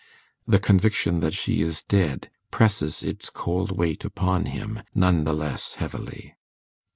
The conviction that she is dead presses its cold weight upon him none the less heavily.